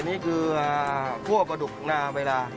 อันนี้คือพั่วปลาดุกนาใบรา